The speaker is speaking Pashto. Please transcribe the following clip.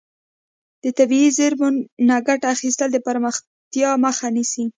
د طبیعي زیرمو نه ګټه اخیستل د پرمختیا مخه نیسي.